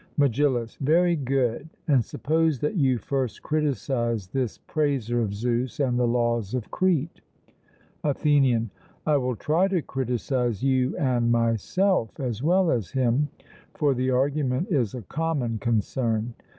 MEGILLUS: Very good; and suppose that you first criticize this praiser of Zeus and the laws of Crete. ATHENIAN: I will try to criticize you and myself, as well as him, for the argument is a common concern.